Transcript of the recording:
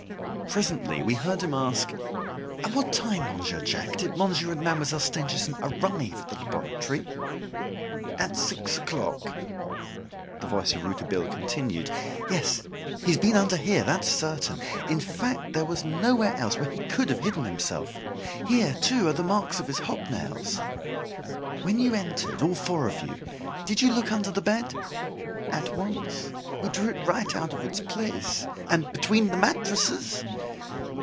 Presently we heard him ask: "At what time, Monsieur Jacques, did Monsieur and Mademoiselle Stangerson arrive at the laboratory?" "At six o'clock." The voice of Rouletabille continued: "Yes, he's been under here, that's certain; in fact, there was no where else where he could have hidden himself. Here, too, are the marks of his hobnails. When you entered all four of you did you look under the bed?" "At once, we drew it right out of its place " "And between the mattresses?"